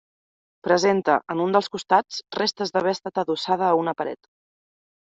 Presenta en un dels costats, restes d'haver estat adossada a una paret.